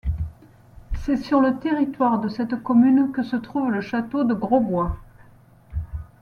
C'est sur le territoire de cette commune que se trouve le château de Grosbois.